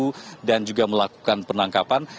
mereka juga melakukan penangkapan